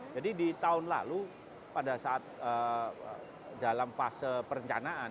jadi di tahun lalu pada saat dalam fase perencanaan